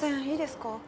いいですか？